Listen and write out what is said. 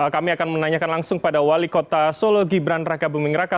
kami akan menanyakan langsung pada wali kota solo gibran raka buming raka